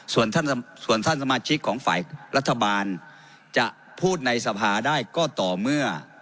ส่วนท่านสมาชิกของฝ่ายรัฐบาลจะพูดในสภาได้ก็ต่อเมื่อ